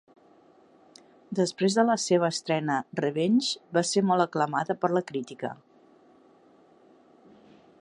Després de la seva estrena, "Revenge" va ser molt aclamada per la crítica.